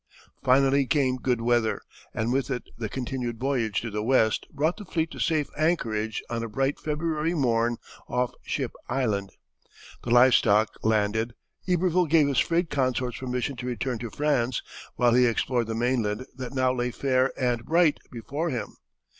Finally came good weather, and with it the continued voyage to the west brought the fleet to safe anchorage on a bright February morn off Ship Island. The live stock landed, Iberville gave his freight consorts permission to return to France, while he explored the mainland that now lay fair and bright before him.